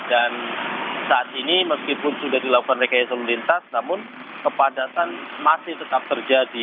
dan saat ini meskipun sudah dilakukan rekayasa lintas namun kepadatan masih tetap terjadi